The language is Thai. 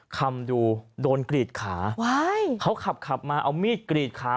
คำดูโดนกรีดขาวเขาขับขับมาเอามีดกรีดขา